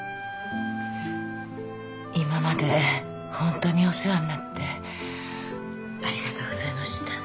今までホントにお世話になってありがとうございました。